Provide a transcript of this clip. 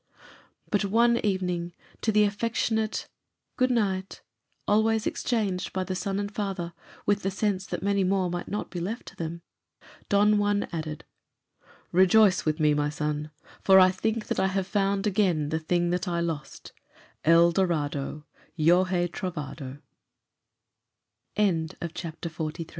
But one evening, to the affectionate "Good night" always exchanged by the son and father with the sense that many more might not be left to them, Don Juan added, "Rejoice with me, my son; for I think that I have found again the thing that I lost 'El Dorado Yo hé trovada.'" XLIV. One Prisoner